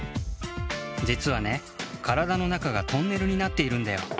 じつはねからだのなかがトンネルになっているんだよ。